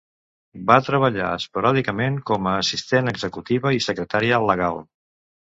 Va treballar esporàdicament com a assistent executiva i secretària legal.